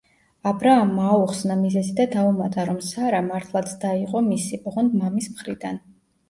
აბრაამმა აუხსნა მიზეზი და დაუმატა, რომ სარა მართლაც და იყო მისი, ოღონდ მამის მხრიდან.